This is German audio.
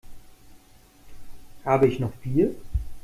Habe ich noch Bier?